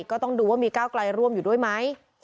ก็ต้องดูว่ามีก้าวไกลร่วมอยู่ด้วยไหม